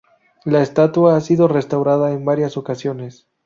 La estatua ha sido restaurada en varias ocasiones.